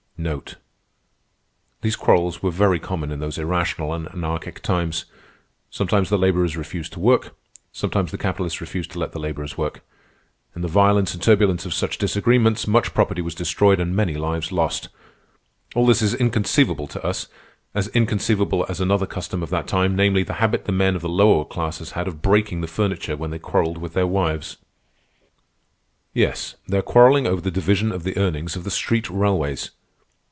These quarrels were very common in those irrational and anarchic times. Sometimes the laborers refused to work. Sometimes the capitalists refused to let the laborers work. In the violence and turbulence of such disagreements much property was destroyed and many lives lost. All this is inconceivable to us—as inconceivable as another custom of that time, namely, the habit the men of the lower classes had of breaking the furniture when they quarrelled with their wives. "Yes, they're quarrelling over the division of the earnings of the street railways."